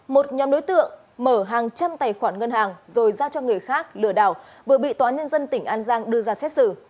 một nhóm đối tượng mở hàng trăm tài khoản ngân hàng rồi giao cho người khác lừa đảo vừa bị tòa nhân dân tỉnh an giang đưa ra xét xử